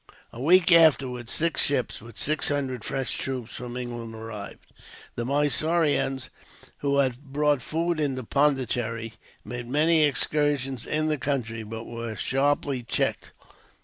A week afterwards six ships, with six hundred fresh troops from England, arrived. The Mysoreans, who had brought food into Pondicherry, made many excursions in the country, but were sharply checked.